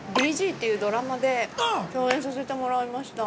◆「ＢＧ」っていうドラマで共演させてもらいました。